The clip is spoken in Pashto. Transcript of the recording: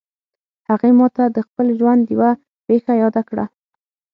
هغې ما ته د خپل ژوند یوه پېښه یاده کړه